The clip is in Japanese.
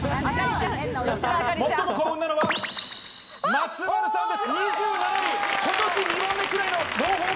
最も幸運なのは松丸さんです。